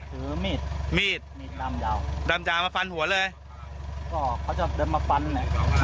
ถือมีดมีดมีดดำยาวดำยาวมาฟันหัวเลยก็เขาจะเดินมาฟันเนี่ย